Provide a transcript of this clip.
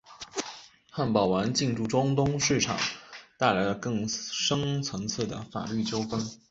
汉堡王进驻中东市场带来了更深层次的法律纠纷。